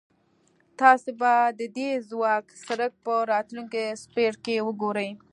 تاسې به د دې ځواک څرک په راتلونکي څپرکي کې وګورئ.